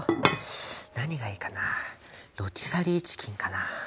何がいいかなあロティサリーチキンかなあ。